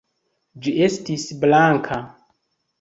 Ĝi estis blanka.